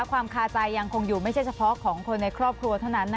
ความคาใจยังคงอยู่ไม่ใช่เฉพาะของคนในครอบครัวเท่านั้น